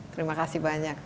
terima kasih banyak